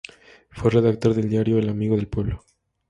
Fue redactor del diario "El amigo del pueblo".